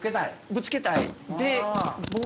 ぶつけたい。